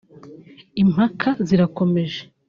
Impaka zirakomeje